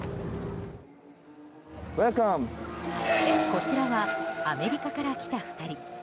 こちらはアメリカから来た２人。